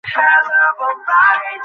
আমি তখন থেকেই তোমার সাথে আছি।